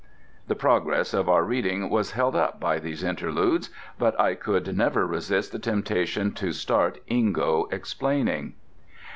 The progress of our reading was held up by these interludes, but I could never resist the temptation to start Ingo explaining.